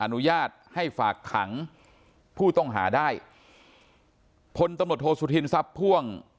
อนุญาตให้ฝากขังผู้ต้องหาได้พลตำรวจโทษสุธินทรัพย์พ่วง